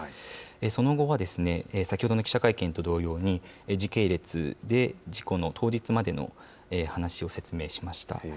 その後は、先ほどの記者会見と同様に、時系列で事故の、当日までの話を説明しました。